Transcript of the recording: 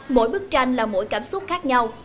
mỗi bức tranh là mỗi cảm xúc khác nhau